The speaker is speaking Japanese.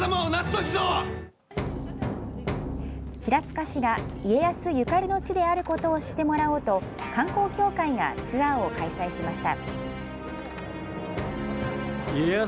平塚市が家康ゆかりの地であることを知ってもらおうと、観光協会がツアーを開催しました。